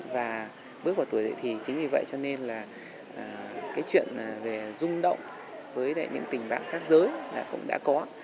và bước vào tuổi thì chính vì vậy cho nên là cái chuyện về rung động với những tình bạn các giới là cũng đã có